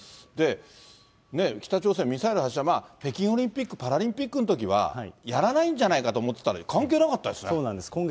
で、北朝鮮、ミサイル発射、北京オリンピック・パラリンピックのときはやらないんじゃないかと思ってたのに、関係なかったですね。